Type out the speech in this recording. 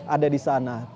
ada di sana